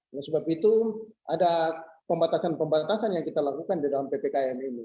oleh sebab itu ada pembatasan pembatasan yang kita lakukan di dalam ppkm ini